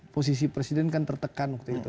posisi presiden kan tertekan waktu itu